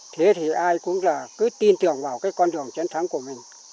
thế thì ai cũng là cứ tin tưởng vào cái con đường chiến thắng của mình